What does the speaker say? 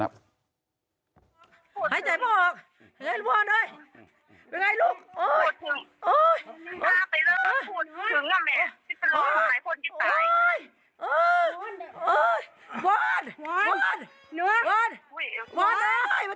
ให้ใจพ่อออกเห็นไงลูกว่านเฮ้ย